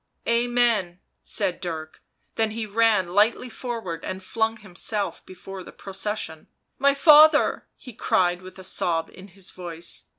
" Amen," said Dirk, then he ran lightly forward and flung himself before the procession. " My father !" he cried, with a sob in his voice.